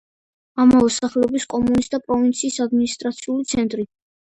ამავე სახელობის კომუნის და პროვინციის ადმინისტრაციული ცენტრი.